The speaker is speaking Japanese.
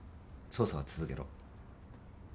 捜査は続けろ。